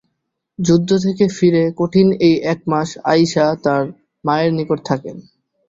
যুদ্ধ থেকে ফিরে কঠিন এই এক মাস আয়িশা তার মায়ের নিকট থাকেন।